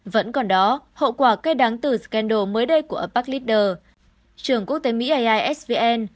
vẫn còn đó hậu quả cây đáng tử scandal mới đây của park leader trường quốc tế mỹ aisvn